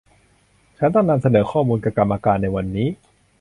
ฉันต้องนำเสนอข้อมูลกับกรรมการในวันนี้